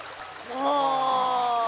ああ。